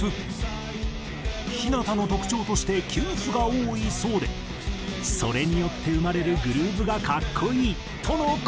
日向の特徴として休符が多いそうで「それによって生まれるグルーヴが格好いい！」との事。